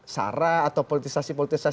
sarah atau politisasi